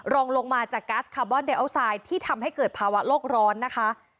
รองลงมาจากก๊าซคาร์บอนเดอัลไซด์ที่ทำให้เกิดภาวะโลกร้อนนะคะ